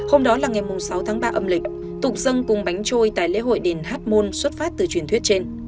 hôm đó là ngày sáu tháng ba âm lịch tục dâng cùng bánh trôi tại lễ hội đền hát môn xuất phát từ truyền thuyết trên